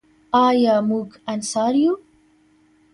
آیا موږ انصار یو؟